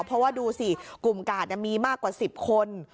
เพราะว่าดูสิกลุ่มกาดมีมากกว่า๑๐คน